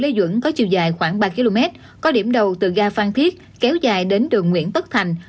đại lộ lê dưỡng có chiều dài khoảng ba km có điểm đầu từ ga phan thiết kéo dài đến đường nguyễn tất thành